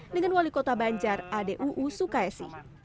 dengan wali kota banjar aduu sukaisi